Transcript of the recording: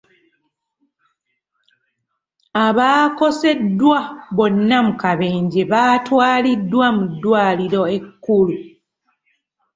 Abaakoseddwa bonna mu kabenje baatwaliddwa mu ddwaliro ekkulu.